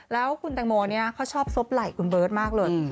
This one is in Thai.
แล้วคุณแตงโมเนี่ยเขาชอบซบไหล่คุณเบิร์ตมากเลย